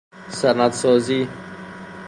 سند سازی